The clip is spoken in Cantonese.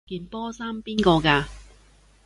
件波衫邊個㗎？